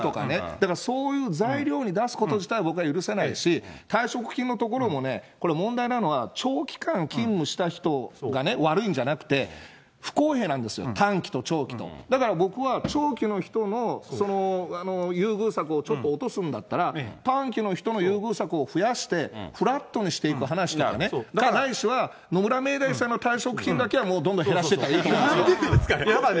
だからそういう材料に出すこと自体、僕は許せないし、退職金のところもね、これ、問題なのは、長期間勤務した人がね、悪いんじゃなくて、不公平なんですよ、短期と長期と、だから僕は、長期の人の優遇策をちょっと落とすんだったら、短期の人の優遇策を増やして、フラットにしていく話ならね、ないしは野村明大さんの退職金だけはもうどんどん減らしていったなんでですか！